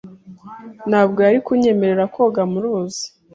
Ntabwo yari kunyemerera koga mu ruzi.